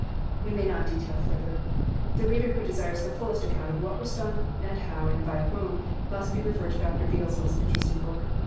We may not detail further. The reader who desires the fullest account of what was done, and how, and by whom, must be referred to Dr. Beale's most interesting book.